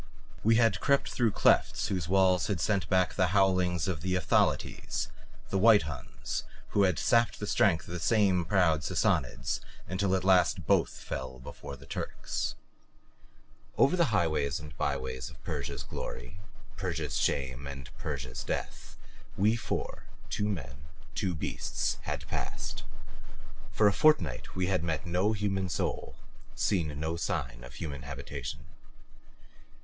We had crept through clefts whose walls had sent back the howlings of the Ephthalites, the White Huns who had sapped the strength of these same proud Sassanids until at last both fell before the Turks. Over the highways and byways of Persia's glory, Persia's shame and Persia's death we four two men, two beasts had passed. For a fortnight we had met no human soul, seen no sign of human habitation.